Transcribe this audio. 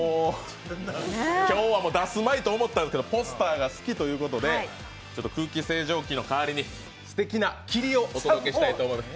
今日はもう出すまいと思ったんですけどポスターが好きということで空気清浄機の代わりに、すてきな霧をご用意したいと思います。